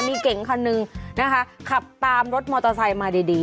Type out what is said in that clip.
มีเก่งคันหนึ่งนะคะขับตามรถมอเตอร์ไซค์มาดีดี